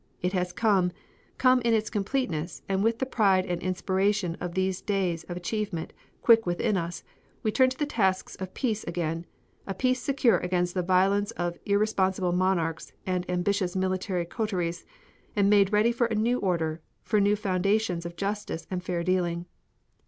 It has come, come in its completeness, and with the pride and inspiration of these days of achievement quick within us we turn to the tasks of peace again a peace secure against the violence of irresponsible monarchs and ambitious military coteries and made ready for a new order, for new foundations of justice and fair dealing.